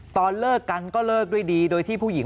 ตอนเลิกกันก็เลิกด้วยดีโดยที่ผู้หญิง